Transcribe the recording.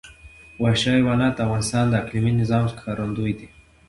وحشي حیوانات د افغانستان د اقلیمي نظام ښکارندوی ده.